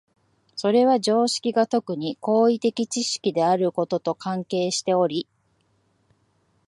それは常識が特に行為的知識であることと関係しており、